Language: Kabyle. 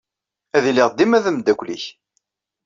Ad iliɣ dima d ameddakel-nnek.